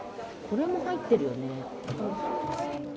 これも入ってるよね。